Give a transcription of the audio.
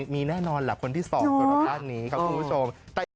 มีแน่นอนล่ะคนที่๒สารภาพนี้ครับคุณผู้ชม